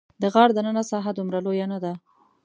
د غار دننه ساحه دومره لویه نه ده.